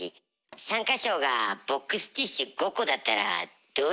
参加賞がボックスティッシュ５個だったらどうよ？